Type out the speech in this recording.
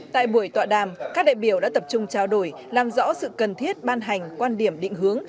tại buổi tọa đàm các đại biểu đã tập trung trao đổi làm rõ sự cần thiết ban hành quan điểm định hướng